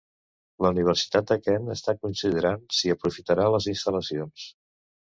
La Universitat de Kent està considerant si aprofitarà les instal·lacions.